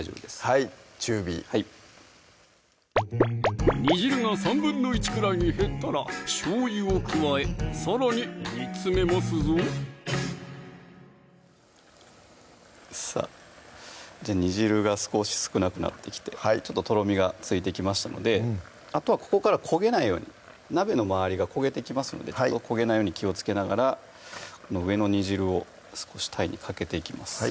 はい中火はい煮汁が１／３くらいに減ったらしょうゆを加えさらに煮詰めますぞさぁじゃあ煮汁が少し少なくなってきてちょっととろみがついてきましたのであとはここから焦げないように鍋の周りが焦げてきますので焦げないように気をつけながらこの上の煮汁を少したいにかけていきます